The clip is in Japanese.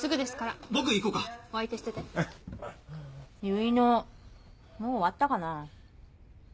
結納もう終わったかな。